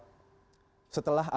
kita akan mencari kemampuan